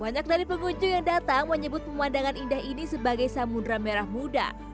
banyak dari pengunjung yang datang menyebut pemandangan indah ini sebagai samudera merah muda